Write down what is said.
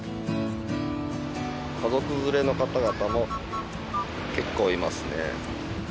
家族連れの方々も結構いますね。